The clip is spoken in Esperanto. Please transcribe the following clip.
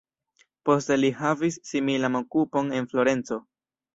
Poste li havis similan okupon en Florenco.